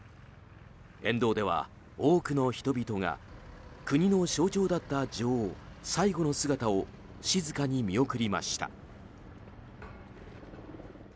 沿道では多くの人々が国の象徴だった女王最後の姿を静かに見送りました。